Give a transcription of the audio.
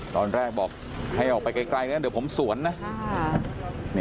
ตอนแรกบอกให้ออกไปไกลนะเดี๋ยวผมสวนนะ